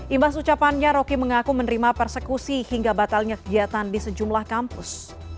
imbas ucapannya rocky mengaku menerima persekusi hingga batalnya kegiatan di sejumlah kampus